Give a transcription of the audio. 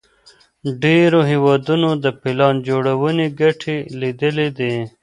ډېرو هېوادونو د پلان جوړوني ګټي ليدلي دي.